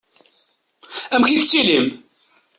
Amek i tettilim?